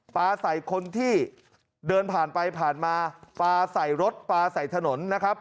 ปลาใส่คนที่เดินผ่านไปผ่านมาปลาใส่รถปลาใส่ถนนนะครับ